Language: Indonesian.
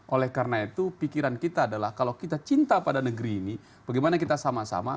oleh karena itu pikiran kita adalah kalau kita cinta pada negeri ini bagaimana kita sama sama